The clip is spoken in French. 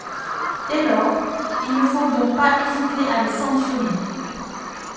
Dès lors, il ne faut donc pas hésiter à les sanctionner.